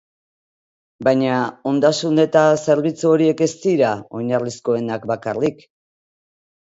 Baina ondasun eta zerbitzu horiek ez dira oinarrizkoenak bakarrik.